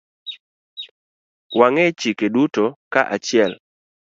Wang'e chike duto kaachiel.